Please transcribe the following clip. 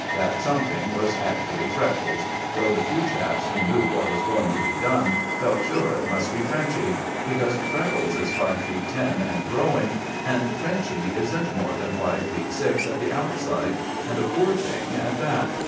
That something was actually Freckles, though the few chaps who knew what was going to be done felt sure it must be Frenchy; because Freckles is five feet ten and growing, and Frenchy isn't more than five feet six at the outside, and a poor thing at that.